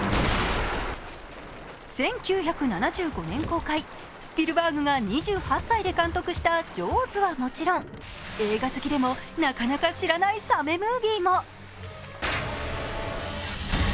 １９７５年公開、スピルバーグが２８歳で監督した「ジョーズ」はもちろん映画好きでもなかなか知らないサメムービーも。